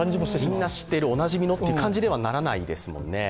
みんな知っている、おなじみのという感じにはならないですもんね。